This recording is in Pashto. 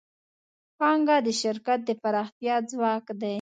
پانګه د شرکت د پراختیا ځواک دی.